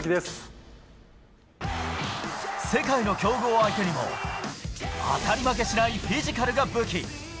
世界の強豪相手にも当たり負けしないフィジカルが武器。